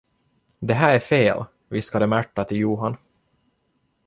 Det här är fel, viskade Märta till Johan.